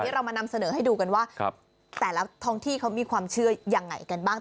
เรามานำเสนอให้ดูกันว่าแต่ละท้องที่เขามีความเชื่อยังไงกันบ้าง